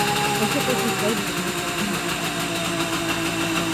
Oso pozik daude emaitzekin eta jarrerekin.